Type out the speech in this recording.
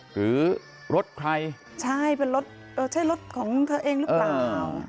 หรือรถใครใช่เป็นรถเออใช่รถของเธอเองหรือเปล่า